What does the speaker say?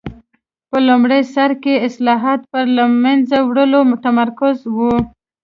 په لومړي سر کې اصلاحات پر له منځه وړلو متمرکز و.